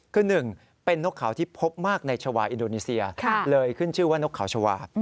คือ๑เป็นนกเขาที่พบมากในชาวาอินโดนีเซียเลยขึ้นชื่อว่านกเขาชาวา